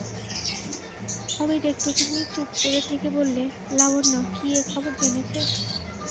অমিত একটুখানি চুপ করে থেকে বললে, লাবণ্য কি এ খবর জেনেছে।